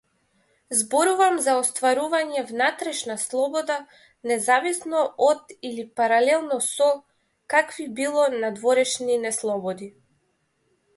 Зборувам за остварување внатрешна слобода независно од или паралелно со какви било надворешни неслободи.